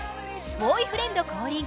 「ボーイフレンド降臨！